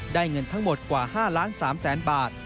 เงินทั้งหมดกว่า๕ล้าน๓แสนบาท